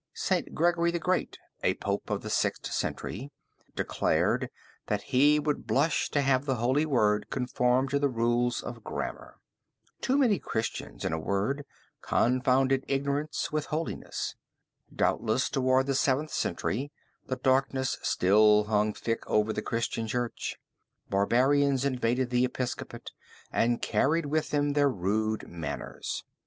Saint Gregory the Great, a Pope of the Sixth Century, declared that he would blush to have the holy word conform to the rules of grammar. Too many Christians, in a word, confounded ignorance with holiness. Doubtless, towards the Seventh Century, the darkness still hung thick over the Christian Church. Barbarians invaded the Episcopate, and carried with them their rude manners.